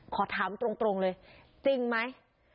ขอถามตรงเลยจริงไหม